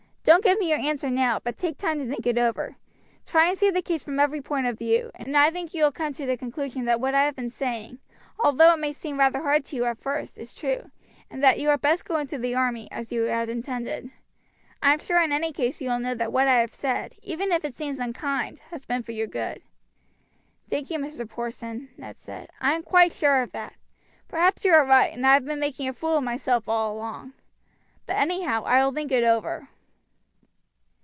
Don't give me your answer now, but take time to think it over. Try and see the case from every point of view, and I think you will come to the conclusion that what I have been saying, although it may seem rather hard to you at first, is true, and that you had best go into the army, as you had intended. I am sure in any case you will know that what I have said, even if it seems unkind, has been for your good." "Thank you, Mr. Porson," Ned replied; "I am quite sure of that. Perhaps you are right, and I have been making a fool of myself all along. But anyhow I will think it over."